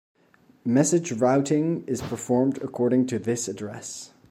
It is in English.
Message routing is performed according to this address.